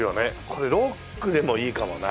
これロックでもいいかもな。